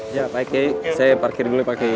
ya pak ei saya parkir dulu pak ei